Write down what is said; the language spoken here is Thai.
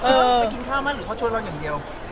หรือเขาชวนเราอย่างเดียว